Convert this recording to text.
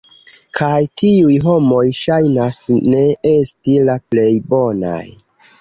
Kaj tiuj homoj ŝajnas ne esti la plej bonaj